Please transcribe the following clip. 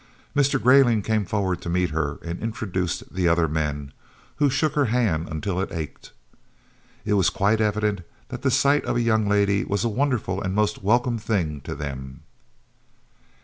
Mr. Greyling came forward to meet her and introduced the other men, who shook her hand until it ached. It was quite evident that the sight of a young lady was a wonderful and most welcome thing to them.